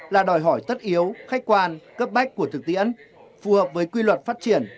là đòi hỏi tất yếu khách quan cấp bách của thực tiễn phù hợp với quy luật phát triển